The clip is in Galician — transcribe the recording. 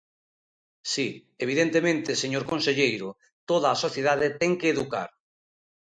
Si, evidentemente, señor conselleiro, toda a sociedade ten que educar.